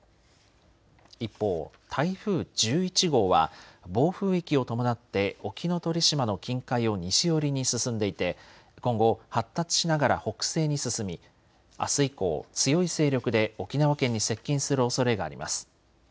一方、台風１１号は暴風域を伴って沖ノ鳥島の近海を西寄りに進んでいて今後、発達しながら北西に進みあす以降、強い勢力で沖縄県に接近するおそれがあります。